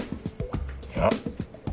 いや。